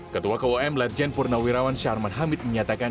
ketua kum ledjen purnawirawan sharman hamid menyatakan